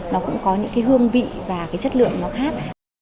nó cũng có những cái hương vị và cái chất lượng nó khác